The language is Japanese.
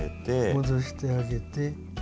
戻してあげて。